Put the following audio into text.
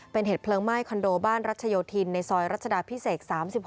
เป็นเหตุเพลิงไหม้คอนโดบ้านรัชโยธินในซอยรัชดาพิเศษ๓๖